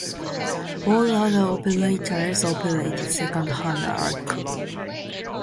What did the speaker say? All other operators operated second-hand aircraft.